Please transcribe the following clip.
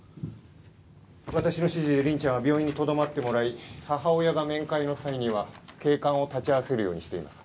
私の指示で凛ちゃんは病院にとどまってもらい母親が面会の際には警官を立ち会わせるようにしています。